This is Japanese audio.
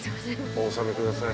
お納めください。